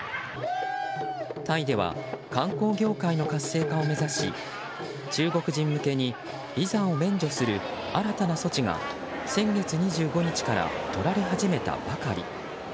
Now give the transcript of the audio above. タイで観光業界の活性化を目指し中国人向けにビザを免除する新たな措置が先月２５日から取られ始めたばかり。